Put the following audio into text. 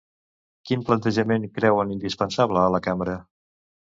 Quin plantejament creuen indispensable a la cambra?